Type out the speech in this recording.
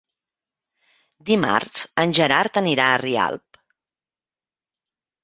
Dimarts en Gerard anirà a Rialp.